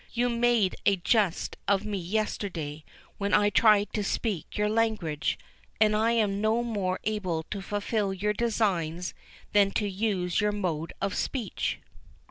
You made a jest of me yesterday, when I tried to speak your language; and I am no more able to fulfil your designs than to use your mode of speech."